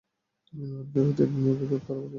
আমি মানুষের অতীত নিয়ে গীবত করা পছন্দ করিনা।